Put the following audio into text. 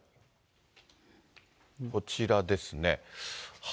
こちらですね。